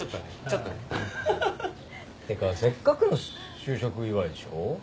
ってかせっかくの就職祝いでしょ？